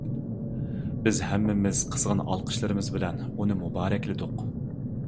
بىز ھەممىمىز قىزغىن ئالقىشلىرىمىز بىلەن ئۇنى مۇبارەكلىدۇق.